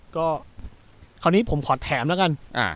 ก็คราวนี้ผมขอแถมแล้วกัน